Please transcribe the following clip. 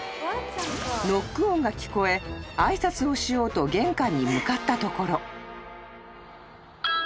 ［ノック音が聞こえ挨拶をしようと玄関に向かったところ］